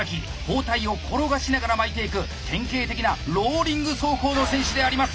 包帯を転がしながら巻いていく典型的なローリング走行の選手であります。